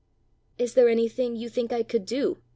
"Is there anything you think I could do?"